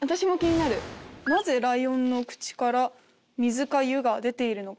「なぜライオンの口から水か湯が出ているのか？